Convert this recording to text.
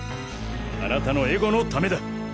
あなたのエゴのためだ。